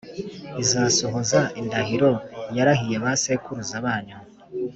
izasohoza indahiro yarahiye ba sekuruza banyu